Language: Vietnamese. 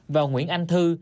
và nguyễn anh thư